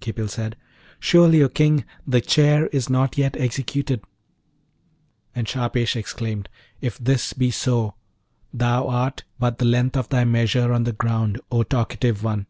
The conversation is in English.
Khipil said, 'Surely, O King, the chair is not yet executed.' And Shahpesh exclaimed, 'If this be so, thou art but the length of thy measure on the ground, O talkative one!'